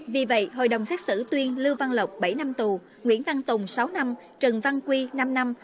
vì vậy hội đồng xét xử tuyên lưu văn lộc bảy năm tù nguyễn văn tùng sáu năm trần văn quy năm năm